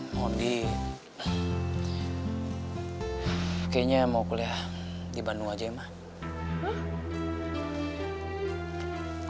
mondi kayaknya mau kuliah di bandung aja emang